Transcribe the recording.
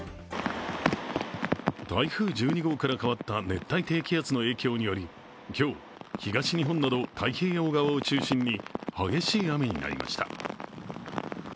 台風１２号から変わった熱帯低気圧の影響により今日、東日本など太平洋側を中心に激しい雨になりました。